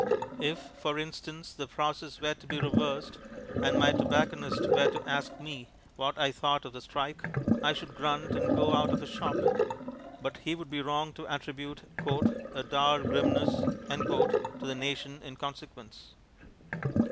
If, for instance, the process were to be reversed, and my tobacconist were to ask me what I thought of the strike, I should grunt and go out of his shop; but he would be wrong to attribute "a dour grimness" to the nation in consequence.